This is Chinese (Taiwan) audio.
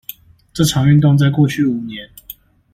這場運動在過去五年